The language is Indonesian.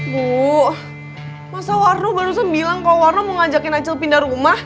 bu masa warno baru sembilang kalau warno mau ngajakin acil pindah rumah